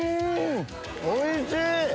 おいしい！